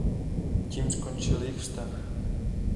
Tím skončil jejich vztah.